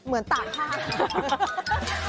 เหมือนตาภาพ